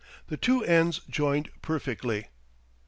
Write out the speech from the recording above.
The two ends joined perfectly.